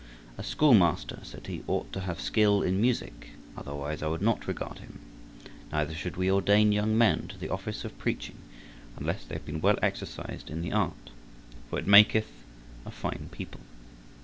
"A schoolmaster," said he, "ought to have skill in music, otherwise I would not regard him; neither should we ordain young men to the office of preaching unless they have been well exercised in the art, for it maketh a fine people."